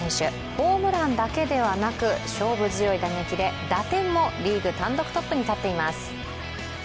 ホームランだけではなく勝負強い撃で打点もリーグ単独トップに立っています。